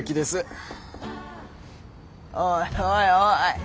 おいおいおい